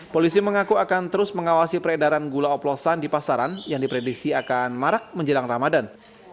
polisi mengaku akan terus mengawasi peredaran gula oplosan di pasaran yang diprediksi akan marak menjelang ramadan